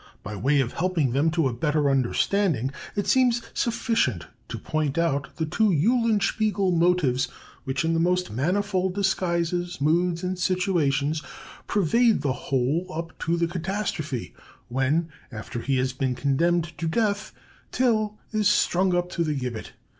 By way of helping them to a better understanding, it seems sufficient to point out the two 'Eulenspiegel' motives, which, in the most manifold disguises, moods, and situations, pervade the whole up to the catastrophe, when, after he has been condemned to death, Till is strung up to the gibbet.